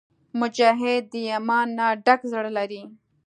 مجاهد د ایمان نه ډک زړه لري.